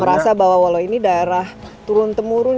terasa bahwa walaupun ini daerah turun temurun